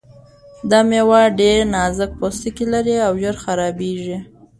دا مېوه ډېر نازک پوستکی لري او ژر خرابیږي.